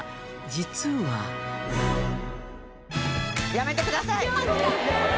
これはやめてください！